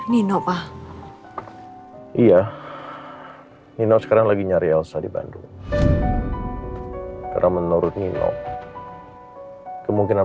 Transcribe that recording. nino pak iya nino sekarang lagi nyari elsa di bandung karena menurut nino kemungkinan